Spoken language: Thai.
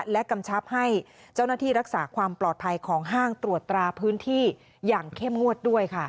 และกำชับให้เจ้าหน้าที่รักษาความปลอดภัยของห้างตรวจตราพื้นที่อย่างเข้มงวดด้วยค่ะ